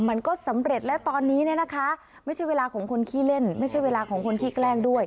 มันก็สำเร็จและตอนนี้เนี่ยนะคะไม่ใช่เวลาของคนขี้เล่นไม่ใช่เวลาของคนขี้แกล้งด้วย